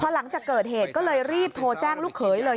หลังจากเกิดเหตุก็เลยรีบโทรแจ้งลูกเขยเลย